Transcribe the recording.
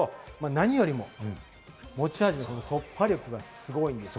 何より持ち味は突破力がすごいこと。